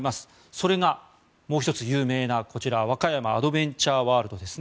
それがもう１つ有名なこちら和歌山アドベンチャーワールドですね。